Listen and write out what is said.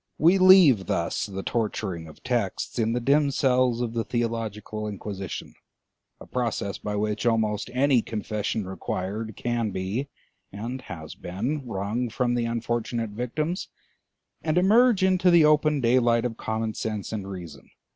We leave thus the torturing of texts in the dim cells of the theological Inquisition, a process by which almost any confession required can be and has been wrung from the unfortunate victims, and emerge into the open daylight of common sense and reason.